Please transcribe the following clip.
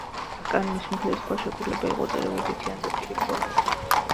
კანონის მიხედვით, ხელშეკრულება იყო წერილობითი ან ზეპირი ფორმით.